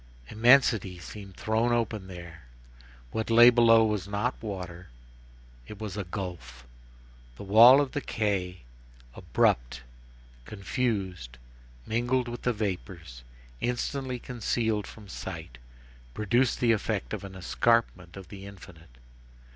Immensity seemed thrown open there. What lay below was not water, it was a gulf. The wall of the quay, abrupt, confused, mingled with the vapors, instantly concealed from sight, produced the effect of an escarpment of the infinite.